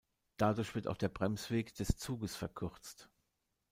Dadurch wird auch der Bremsweg des Zuges verkürzt.